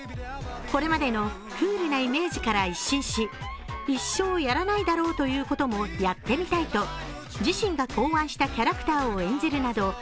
これまでのクールなイメージから一新し一生やらないだろうということもやってみたいと、自身が考案したキャラクターを演じるなど